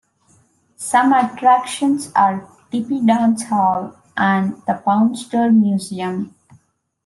Some attractions are Tippy Dance Hall and the Pound Store Museum.